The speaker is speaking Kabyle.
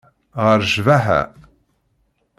Ɣer ccbaḥa.